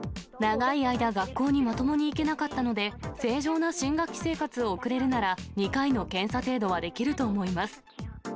長い間、学校にまともに行けなかったので、正常な新学期生活を送れるなら、２回の検査程度はできると思います。